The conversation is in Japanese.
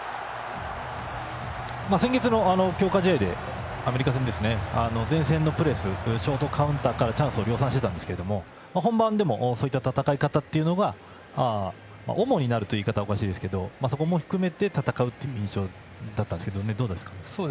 先月の強化試合でアメリカ戦では前線のプレスショートカウンターからチャンスを量産していたんですけど本番でもそういった戦い方というのが主になるという言い方はおかしいですけどそこも含めて戦うという印象だったんですが、どうですか。